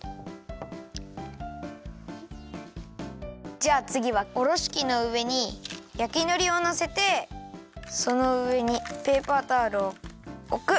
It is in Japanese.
じゃあつぎはおろしきのうえに焼きのりをのせてそのうえにペーパータオルをおく。